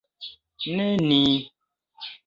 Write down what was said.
Ne ni.